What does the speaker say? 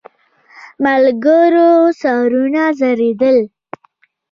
ملګرو سرونه ځړېدل.